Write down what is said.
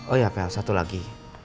oh ya kayak satu lagi